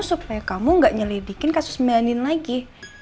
supaya kamu gak nyelidikin kasus meanin lagi